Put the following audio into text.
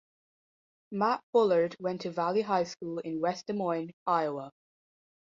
Matt Bullard went to Valley High School in West Des Moines, Iowa.